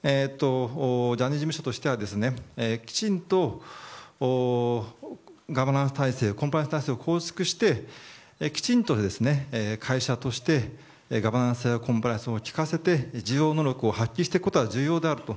ジャニーズ事務所としてはきちんとガバナンス体制コンプライアンス体制を構築してきちんと会社としてガバナンス、コンプライアンスを効かせて自浄能力を発揮していくことが重要であると。